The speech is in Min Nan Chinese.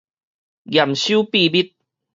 嚴守秘密